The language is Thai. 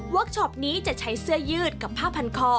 ช็อปนี้จะใช้เสื้อยืดกับผ้าพันคอ